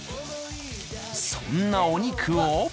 そんなお肉を。